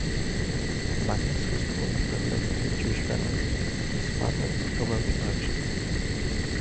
Magnus was born in Berlin to a Jewish family, his father a wealthy merchant.